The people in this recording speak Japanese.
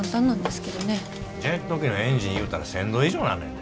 ジェット機のエンジンいうたら１，０００度以上になんねんで。